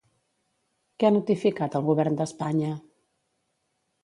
Què ha notificat el govern d'Espanya?